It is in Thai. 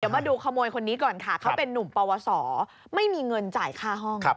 มาดูขโมยคนนี้ก่อนค่ะเขาเป็นนุ่มปวสอไม่มีเงินจ่ายค่าห้อง